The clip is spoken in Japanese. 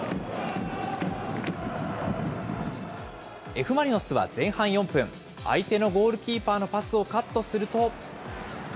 Ｆ・マリノスは前半４分、相手のゴールキーパーのパスをカットすると。